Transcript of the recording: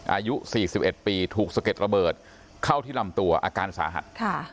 อายุ๔๑ปีถูกสะเก็ดระเบิดเข้าที่ลำตัวอาการสาหัส